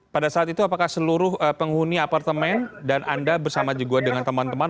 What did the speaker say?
pada saat itu apakah seluruh penghuni apartemen dan anda bersama juga dengan teman teman